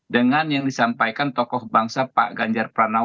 dengan yang disampaikan tokoh bangsa pak ganjar pranowo